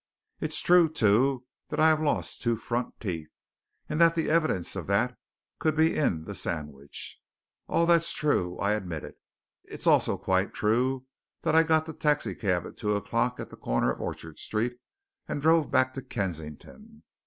It's true, too, that I have lost two front teeth, and that the evidence of that could be in the sandwich. All that's true I admit it. It's also quite true that I got the taxi cab at two o'clock at the corner of Orchard Street and drove back to Kensington.